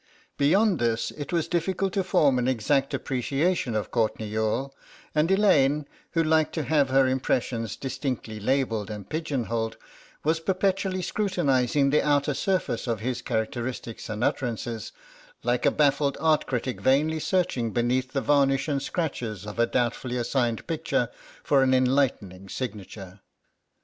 Beyond this it was difficult to form an exact appreciation of Courtenay Youghal, and Elaine, who liked to have her impressions distinctly labelled and pigeon holed, was perpetually scrutinising the outer surface of his characteristics and utterances, like a baffled art critic vainly searching beneath the varnish and scratches of a doubtfully assigned picture for an enlightening signature.